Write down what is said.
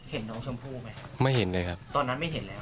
เห็นน้องชมพู่ไหมครับไม่เห็นเลยครับตอนนั้นไม่เห็นแล้ว